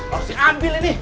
harus ambil ini